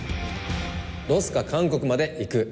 ロスか韓国まで行く。